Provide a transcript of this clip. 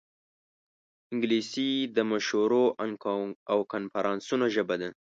انګلیسي د مشورو او کنفرانسونو ژبه ده